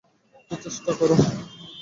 একটা চেষ্টা কর।